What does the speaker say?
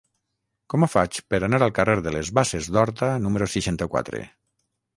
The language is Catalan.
Com ho faig per anar al carrer de les Basses d'Horta número seixanta-quatre?